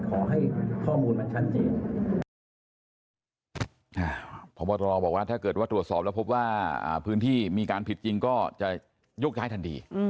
ขอให้ข้อมูลมันชัดเจน